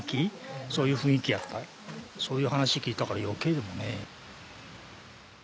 そういう話を聞いたから余計だよね。